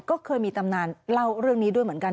ก็เคยมีตำนานเล่าเรื่องนี้ด้วยเหมือนกัน